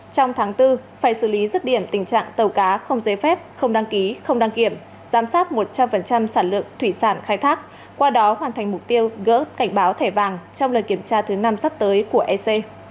trong tháng bốn phải xử lý rứt điểm tình trạng tàu cá không giấy phép không đăng ký không đăng kiểm giám sát một trăm linh sản lượng thủy sản khai thác qua đó hoàn thành mục tiêu gỡ cảnh báo thẻ vàng trong lần kiểm tra thứ năm sắp tới của ec